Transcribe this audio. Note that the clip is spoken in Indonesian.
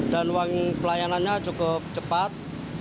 dan uang pelayanannya cukup cepat